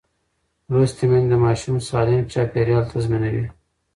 لوستې میندې د ماشوم سالم چاپېریال تضمینوي.